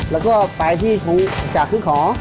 และก็ไปที่ฝูงจ้างคืนของ